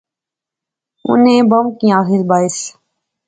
اُنی بہوں کی آخیس بائیس